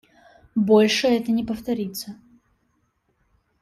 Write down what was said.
Больше это не повторится.